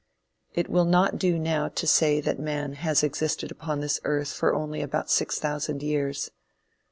It will not now do to say that man has existed upon this earth for only about six thousand years.